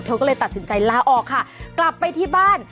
ก็เลยตัดสินใจลาออกค่ะกลับไปที่บ้าน